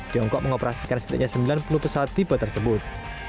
tiongkok mengoperasikan setidaknya sembilan puluh pesawat tipe tersebut